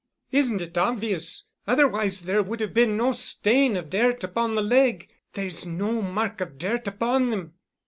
"Isn't it obvious? Otherwise there would have been no stain of dirt upon the leg. There is no mark of dirt upon them."